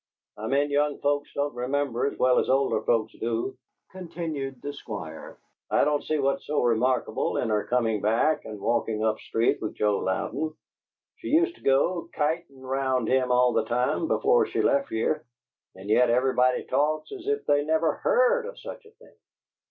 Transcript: "I meant young folks don't remember as well as older people do," continued the Squire. "I don't see what's so remarkable in her comin' back and walkin' up street with Joe Louden. She used to go kitin' round with him all the time, before she left here. And yet everybody talks as if they never HEARD of sech a thing!"